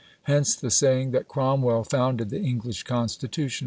Hence the saying that Cromwell founded the English Constitution.